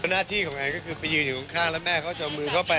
หน้าที่ของแอนก็คือไปยืนอยู่ข้างแล้วแม่เขาจะเอามือเข้าไป